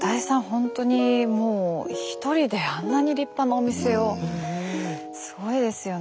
ほんとにもう１人であんなに立派なお店をすごいですよね。